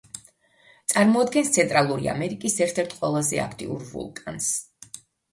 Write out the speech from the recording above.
წარმოადგენს ცენტრალური ამერიკის ერთ-ერთ ყველაზე აქტიურ ვულკანს.